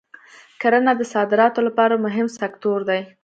کرنه د صادراتو لپاره مهم سکتور دی.